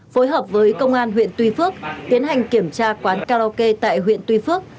phối hợp với công an huyện tuy phước tiến hành kiểm tra quán karaoke tại huyện tuy phước